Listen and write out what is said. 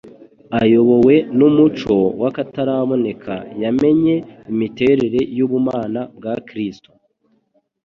Ayobowe n'umucyo w'akataraboneka, yamenye imiterere y'ubumana bwa Kristo.